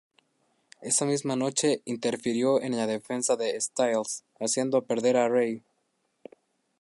Esa misma noche, interfirió en la defensa de Styles, haciendo perder a Ray.